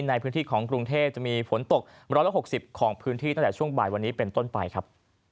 ในพื้นที่ของกรุงเทพจะมีฝนตก๑๖๐ของพื้นที่ตั้งแต่ช่วงบ่ายวันนี้เป็นต้นไปครับ